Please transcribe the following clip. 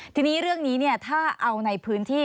ทีนี้เรื่องนี้ถ้าเอาในพื้นที่